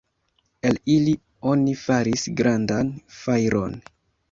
El ili oni faris grandan fajron.